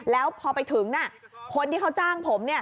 แล้วพอไปถึงคนที่เขาจ้างผมเนี่ย